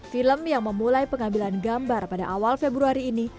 film yang memulai pengambilan gambar pada awal februari ini